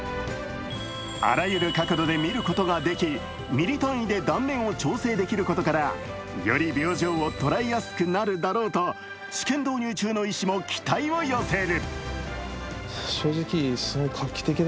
あらゆる角度で見ることができミリ単位で断面を調整できることからより病状を捉えやすくなるだろうと試験導入中の医師も期待を寄せる。